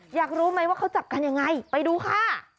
อยากรู้ไหมว่าเขาจับกันยังไงไปดูค่ะ